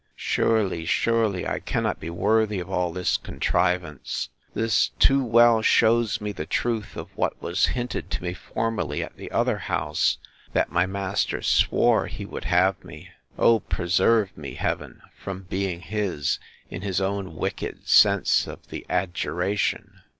—Surely, surely, I cannot be worthy of all this contrivance! This too well shews me the truth of what was hinted to me formerly at the other house, that my master swore he would have me! O preserve me, Heaven! from being his, in his own wicked sense of the adjuration!